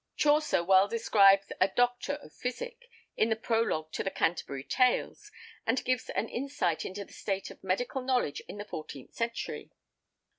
Chaucer well describes a "Doctour of Phisike," in the Prologue to the |7| Canterbury Tales, and gives an insight into the state of medical knowledge in the fourteenth century.